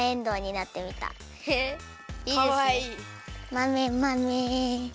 まめまめ。